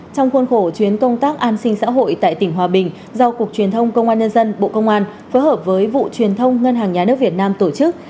trong khuôn khổ chuyến công tác an sinh xã hội tại tỉnh hòa bình do cục truyền thông công an nhân dân bộ công an phối hợp với vụ truyền thông ngân hàng nhà nước việt nam tổ chức